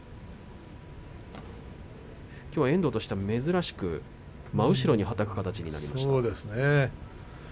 遠藤としては珍しく真後ろにはたく形になりましたね。